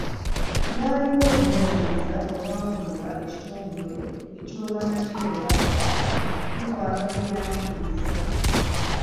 Waliwo okunoonyereza okwakolebwa ekitongole eky’obwannakyewa nga kukwata ku byanjigiriza.